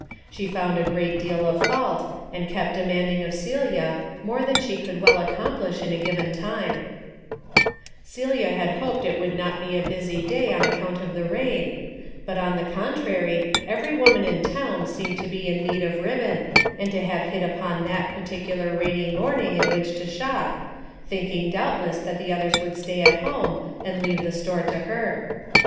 She found a great deal ( fault and kept demanding of Celia more tha she could well accomplish in a given tim Celia had hoped it would not be a bu; day on account of the rain, but on the co trary every woman in town seemed to be need of ribbon and to have hit upon that pi ticular rainy morning in which to shop, thin ing doubtless that the others would stay A DAILY BATE. 75 Lome and leave the store to her.